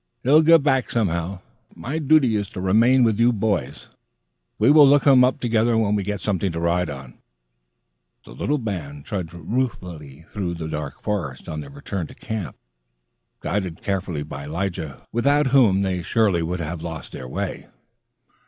He'll get back somehow, My duty is to remain with you boys. We will look him up together when we get something to ride on." The little band trudged ruefully through the dark forest on their return to camp, guided carefully by Lige, without whom they surely would have lost their way.